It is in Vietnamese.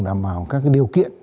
đảm bảo các điều kiện